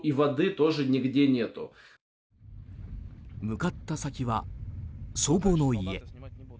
向かった先は祖母の家。